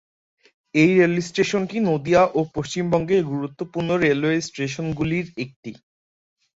এই রেল স্টেশনটি নদিয়া ও পশ্চিমবঙ্গের গুরুত্বপূর্ণ রেলওয়ে স্টেশনগুলির একটি।